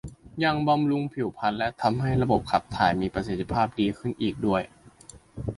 ยังบำรุงผิวพรรณและทำให้ระบบขับถ่ายมีประสิทธิภาพดีขึ้นอีกด้วย